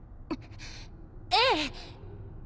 ええ。